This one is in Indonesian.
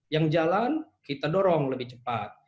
yang jalan kita dorong lebih cepat